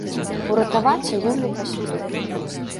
Уратавацца ён не паспеў.